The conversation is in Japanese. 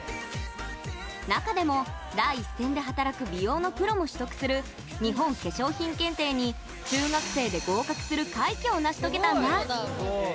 中でも、第一線で働く美容のプロも取得する日本化粧品検定に中学生で合格する快挙を成し遂げたんだ。